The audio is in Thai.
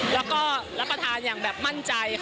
แล้วก็รับประทานอย่างแบบมั่นใจค่ะ